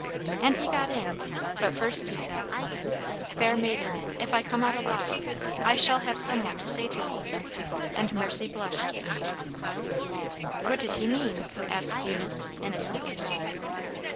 And he got in, but first he said, 'Fair maiden, if I come out alive, I shall have somewhat to say to thee.' And Mercy blushed." "What did he mean?" asked Eunice, innocently.